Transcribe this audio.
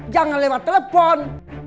jangan lewat telepon